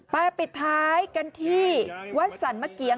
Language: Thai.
ไปปิดท้ายกันที่วัดสรรมะเกียง